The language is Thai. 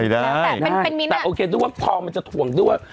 แต่โอเคด้วยว่าทองมันจะถ่วงด้วย